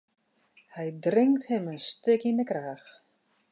Hy drinkt him in stik yn 'e kraach.